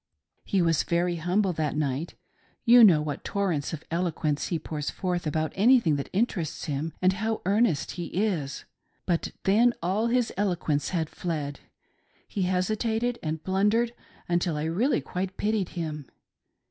He was very humble that night. You know what torrents of eloquence he pours forth about anything that interests him, and how earnest he is. But then all his eloquence had fled. He hesitated and blundered until I really quite pitied him.